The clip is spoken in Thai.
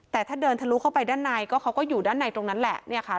แต่ถ้าเดินทะลุเข้าไปด้านในก็เขาก็อยู่ด้านในตรงนั้นแหละเนี่ยค่ะ